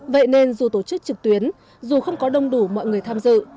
vậy nên dù tổ chức trực tuyến dù không có đông đủ mọi người tham dự